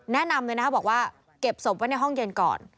แนะนำเลยนะครับบอกว่าเก็บศพไว้ในห้องเย็นก่อน